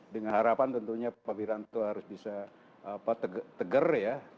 dengan harapan tentunya pak wiranto harus bisa tegar ya